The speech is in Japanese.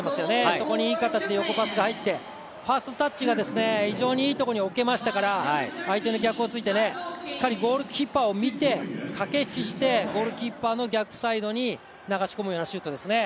そこにいい形で横パスが入ってファーストタッチが非常にいいところに置けましたから相手の逆をついてしっかりゴールキーパーを見て駆け引きしてゴールキーパーの逆に流し込むようなゴールでしたね